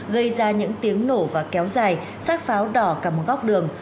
gây ra những tiếng nổ và kéo dài sát pháo đỏ cả một góc đường